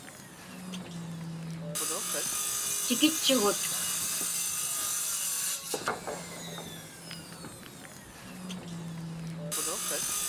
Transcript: Tikitchugut.